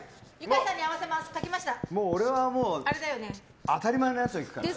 もう俺は当たり前のやつをいくから。